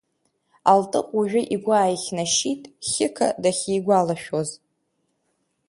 Алҭыҟә уажәы игәы ааихьнашьит Хьықа дахьигәалашәоз.